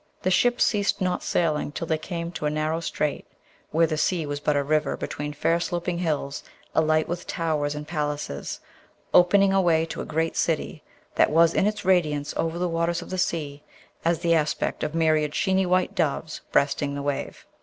The ship ceased not sailing till they came to a narrow strait, where the sea was but a river between fair sloping hills alight with towers and palaces, opening a way to a great city that was in its radiance over the waters of the sea as the aspect of myriad sheeny white doves breasting the wave.